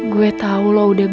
gue mau jawab